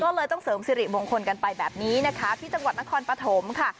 ก็เลยต้องเสริมสิริมงคลกันไปแบบนี้นะคะที่จังหวัดนครปฐมค่ะ